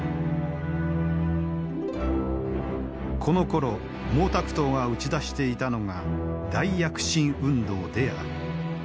このころ毛沢東が打ち出していたのが大躍進運動である。